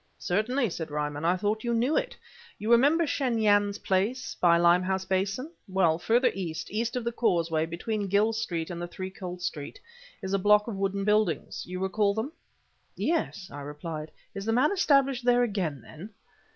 "Certainly," said Ryman; "I thought you knew it. You remember Shen Yan's place by Limehouse Basin? Well, further east east of the Causeway, between Gill Street and Three Colt Street is a block of wooden buildings. You recall them?" "Yes," I replied. "Is the man established there again, then?"